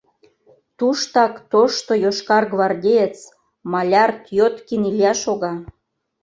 Туштак тошто йошкаргвардеец, маляр Тьоткин Илья шога.